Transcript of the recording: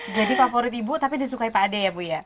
jadi favorit ibu tapi disukai pak ade ya bu ya